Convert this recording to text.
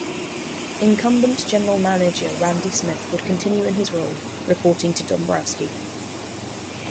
Incumbent general manager Randy Smith would continue in his role, reporting to Dombrowski.